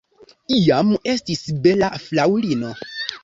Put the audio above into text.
Iam estis bela fraŭlino.